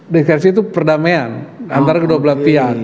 diversi itu perdamaian antara kedua belah pihak